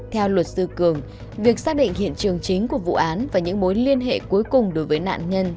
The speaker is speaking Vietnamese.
theo luật sư cường việc xác định hiện trường chính của vụ án và những mối liên hệ cuối cùng đối với nạn nhân